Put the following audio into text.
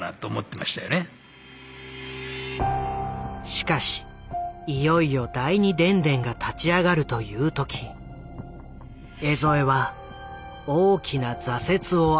しかしいよいよ第二電電が立ち上がるという時江副は大きな挫折を味わう。